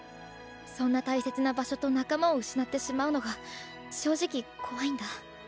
そんな大切な場所と仲間を失ってしまうのが正直怖いんだ。